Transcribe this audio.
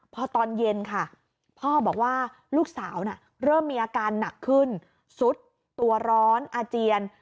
พอตอนเย็นค่ะพ่อบอกว่าลูกสาวเริ่มมีอาการหนักขึ้นซุดตัวร้อนอาเจียน